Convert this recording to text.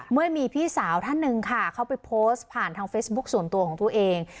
เมื่อมีพี่สาวท่านหนึ่งค่ะเขาไปโพสต์ผ่านทางเฟซบุ๊คส่วนตัวของตัวเอง